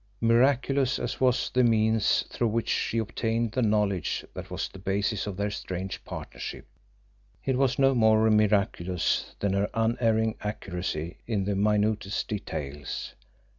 Miraculous as was the means through which she obtained the knowledge that was the basis of their strange partnership, it was no more miraculous than her unerring accuracy in the minutest details.